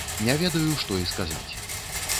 Не ведаю, што і сказаць.